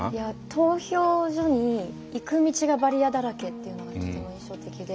投票所に行く道がバリアだらけっていうのがとても印象的で。